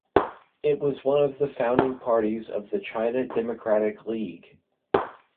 It was one of the founding parties of the China Democratic League.